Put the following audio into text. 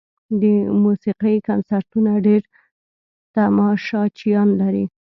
د موسیقۍ کنسرتونه ډېر تماشچیان لري.